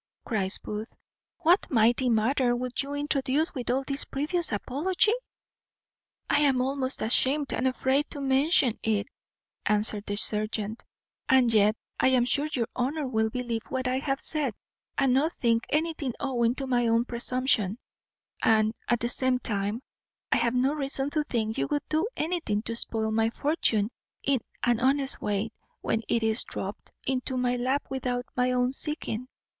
cries Booth; "what mighty matter would you introduce with all this previous apology?" "I am almost ashamed and afraid to mention it," answered the serjeant; "and yet I am sure your honour will believe what I have said, and not think anything owing to my own presumption; and, at the same time, I have no reason to think you would do anything to spoil my fortune in an honest way, when it is dropt into my lap without my own seeking.